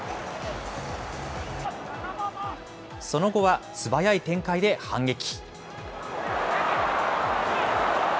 その後は素早い展開で反撃。